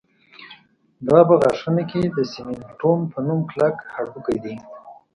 دا په غاښونو کې د سېمنټوم په نوم کلک هډوکی دی